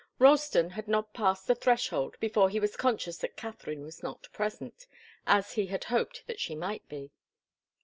Ralston had not passed the threshold before he was conscious that Katharine was not present, as he had hoped that she might be.